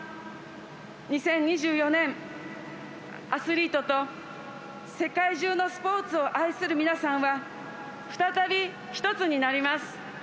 ２０２４年、アスリートと世界中のスポーツを愛する皆さんは再び一つになります。